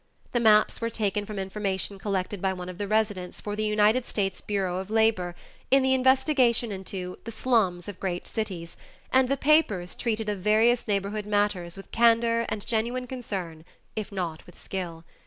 The maps were taken from information collected by one of the residents for the United States Bureau of Labor in the investigation into "the slums of great cities" and the papers treated of various neighborhood matters with candor and genuine concern if not with skill.